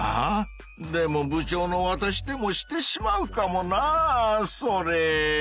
でも部長のわたしでもしてしまうかもなそれ！